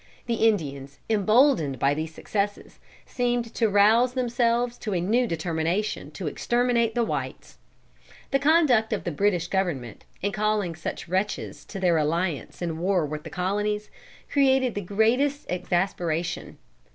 The Indians, emboldened by these successes, seemed to rouse themselves to a new determination to exterminate the whites. The conduct of the British Government, in calling such wretches to their alliance in their war with the colonies, created the greatest exasperation.